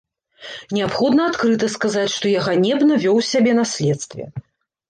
Неабходна адкрыта сказаць, што я ганебна вёў сябе на следстве.